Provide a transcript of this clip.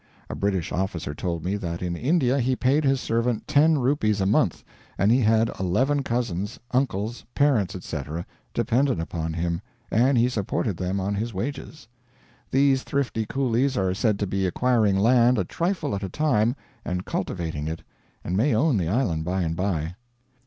A British officer told me that in India he paid his servant 10 rupees a month, and he had 11 cousins, uncles, parents, etc., dependent upon him, and he supported them on his wages. These thrifty coolies are said to be acquiring land a trifle at a time, and cultivating it; and may own the island by and by.